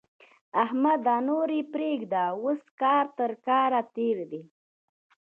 احمده! نور يې پرېږده؛ اوس کار تر کار تېر دی.